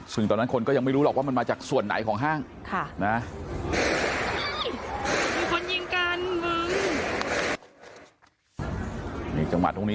ซึ่งตอนนั้นคนก็ยังไม่รู้หรอกว่ามันมาจากส่วนไหนของห้าง